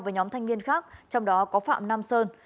với nhóm thanh niên khác trong đó có phạm nam sơn